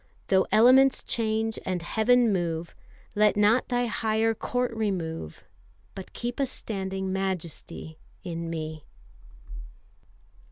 Though elements change and Heaven move, Let not Thy higher court remove, But keep a standing Majesty in me.